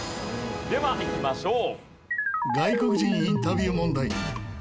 ではいきましょう。